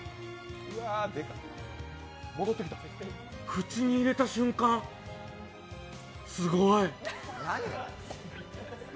口に入れた瞬間、すごい。